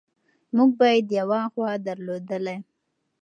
موږ باید یوه غوا درلودلی.